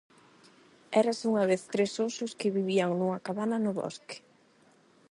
Érase unha vez tres osos que vivían nunha cabana no bosque.